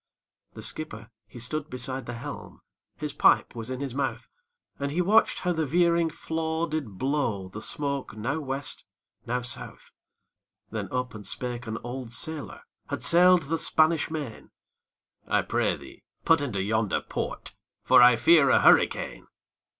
The skipper he stood beside the helm, His pipe was in his mouth, And he watched how the veering flaw did blow The smoke now West, now South. Then up and spake an old sailòr, Had sail'd the Spanish Main, 'I pray thee, put into yonder port, For I fear a hurricane.